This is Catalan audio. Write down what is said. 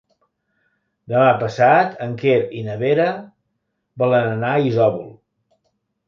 Demà passat en Quer i na Vera volen anar a Isòvol.